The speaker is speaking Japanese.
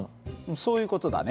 そういう事だね。